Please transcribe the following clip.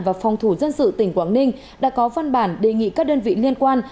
và phòng thủ dân sự tỉnh quảng ninh đã có văn bản đề nghị các đơn vị liên quan